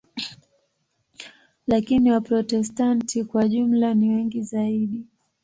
Lakini Waprotestanti kwa jumla ni wengi zaidi.